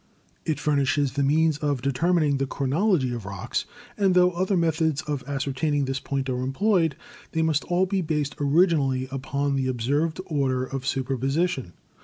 It furnishes the means of determining the chro nology of rocks, and tho other methods of ascertaining this point are employed, they must all be based originally upon the observed order of superposition.